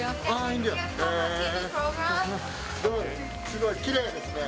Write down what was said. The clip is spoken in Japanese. すごい、きれいですね。